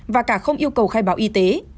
và cả không yêu cầu khai báo y tế